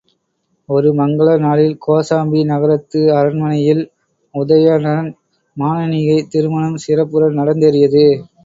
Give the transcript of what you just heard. ஒரு மங்கல நாளில் கோசாம்பி நகரத்து அரண்மனையில் உதயணன் மானனீகை திருமணம் சிறப்புற நடந்தேறியது.